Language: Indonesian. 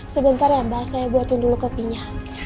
sebentar ya mbak saya buatin dulu kopinya